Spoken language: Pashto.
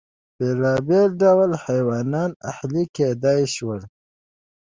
بېلابېل ډول حیوانات اهلي کېدای شول.